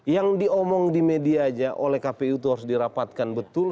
yang diomong di media aja oleh kpu itu harus dirapatkan betul